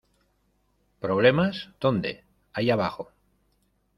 ¿ Problemas, dónde? ¡ ahí abajo!